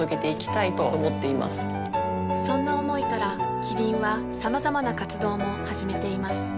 そんな思いからキリンはさまざまな活動も始めています